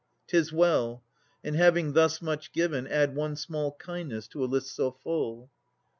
'Tis well. And having thus much given Add one small kindness to a list so full.